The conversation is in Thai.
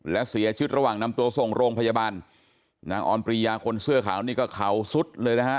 และเสียชีวิตระหว่างนำตัวส่งโรงพยาบาลนางออนปรียาคนเสื้อขาวนี่ก็เขาสุดเลยนะฮะ